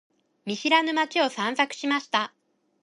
見知らぬ街を散策しました。